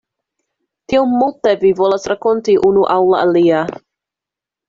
Tiom multe vi volas rakonti unu al la alia.